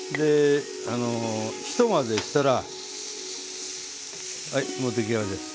ひと混ぜしたらはいもう出来上がりです。